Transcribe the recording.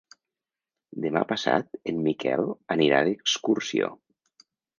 Demà passat en Miquel anirà d'excursió.